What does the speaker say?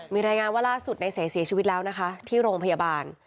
มีรายงานว่าล่าสุดในเสเสียชีวิตแล้วนะคะที่โรงพยาบาล